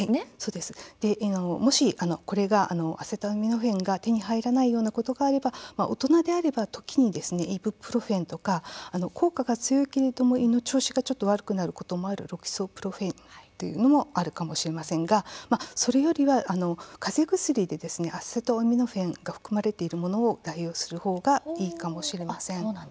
もしアセトアミノフェンが手に入らないようなことがあれば大人であれば時にイブプロフェンとか効果が強いけれども、胃の調子がちょっと悪くなることもあるロキソプロフェンというのもあるかもしれませんがそれよりはかぜ薬でアセトアミノフェンが含まれているものを代用する方がいいかもしれません。